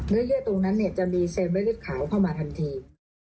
เนื้อเยื่อตรงนั้นจะมีเซเบอร์ฤทธิ์ขาวเข้ามาทันที